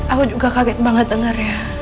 aku juga kaget banget dengar ya